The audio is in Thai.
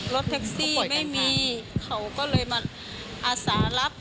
รถแท็กซี่ไม่มีเขาก็เลยมาอาสารับ